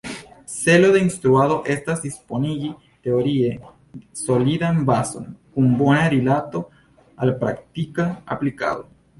Celo de instruado estas disponigi teorie solidan bazon kun bona rilato al praktika aplikado.